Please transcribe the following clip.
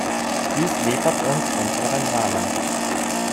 Dies liefert uns unseren Rahmen.